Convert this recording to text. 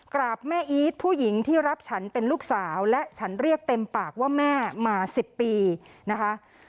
กราบแม่อีทผู้หญิงที่รับฉันเป็นลูกสาวและฉันเรียกเต็มปากว่าแม่มา๑๐ปีนะคะ